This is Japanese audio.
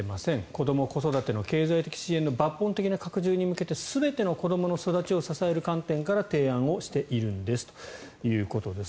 子ども・子育ての経済的支援の抜本的な拡充に向けて全ての子どもの育ちを支える観点から提案しているんですということです。